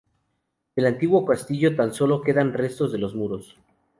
Del antiguo castillo tan solo quedan restos de los muros.